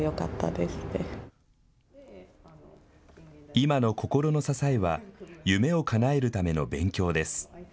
今の心の支えは夢をかなえるための勉強です。